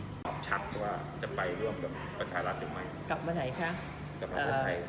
ชัดว่าจะไปร่วมกับประชาหรัฐหรือไม่